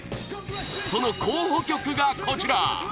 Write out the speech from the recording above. その候補曲がこちら